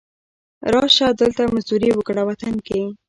را شه، دلته مزدوري وکړه وطن کې